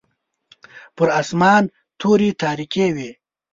پر اسمان توري تاریکې وې.